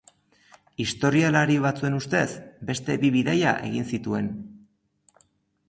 Historialari batzuen ustez, beste bi bidaia egin zituen.